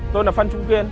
tôi là phan trung kiên